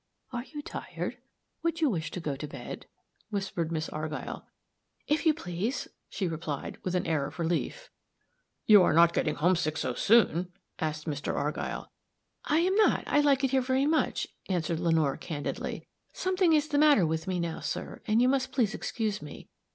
"Are you tired? Would you wish to go to bed?" whispered Miss Argyll. "If you please," she replied, with an air of relief. "You are not getting homesick so soon?" asked Mr. Argyll. "I am not; I like it here very much," answered Lenore, candidly. "Something is the matter with me now, sir, and you must please excuse me.